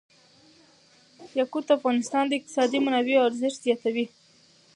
یاقوت د افغانستان د اقتصادي منابعو ارزښت زیاتوي.